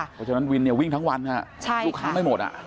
เพราะฉะนั้นวินเนี่ยวิ่งทั้งวันค่ะใช่ค่ะลูกค้างไม่หมดอ่ะ